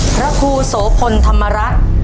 พระครูโสพลธรรมรัฐ